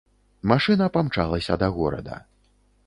Машына памчалася да горада.